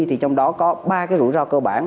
trong đó có ba rủi ro cơ bản